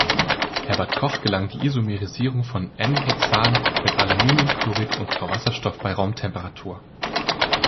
Herbert Koch gelang die Isomerisierung von "n"-Hexan mit Aluminiumchlorid und Chlorwasserstoff bei Raumtemperatur.